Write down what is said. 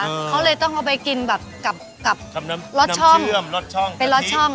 เออเขาเลยต้องเอาไปกินแบบกับกับน้ำน้ำเชื่อมรสช่องไปรสช่อง